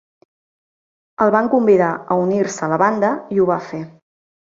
El van convidar a unir-se a la banda i ho va fer.